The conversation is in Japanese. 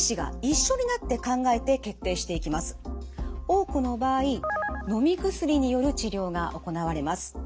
多くの場合のみ薬による治療が行われます。